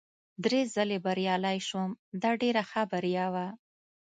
درې ځلي بریالی شوم، دا ډېره ښه بریا وه.